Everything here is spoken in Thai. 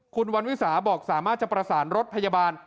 คุณวันวิสาบอกสามารถจะประสานรถพยาบาล